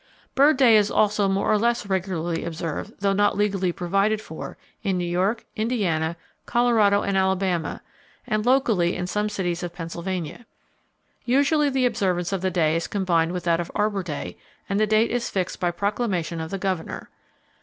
Bird Day is also more or less regularly observed, though not legally provided for, in New York, Indiana, Colorado and Alabama, and locally in some cities of Pennsylvania. Usually the observance of the day is combined with that of Arbor Day, and the date is fixed by proclamation of the Governor.